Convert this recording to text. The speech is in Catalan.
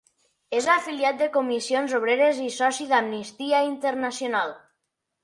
És afiliat de Comissions Obreres i soci d'Amnistia Internacional.